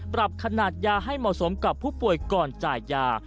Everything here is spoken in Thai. ปรับขนาดยาให้เหมาะสมกับผู้ป่วยก่อนจ่ายยา